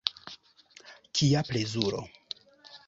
Kia plezuro!